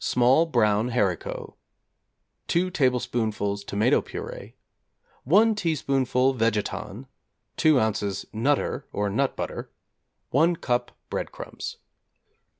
small brown haricots, 2 tablespoonfuls tomato purée, 1 teaspoonful 'Vegeton,' 2 ozs. 'Nutter' or nut butter, 1 cup breadcrumbs.